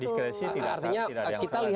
diskresi tidak ada yang salah